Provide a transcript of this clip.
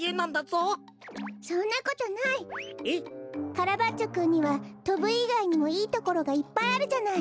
カラバッチョくんにはとぶいがいにもいいところがいっぱいあるじゃない。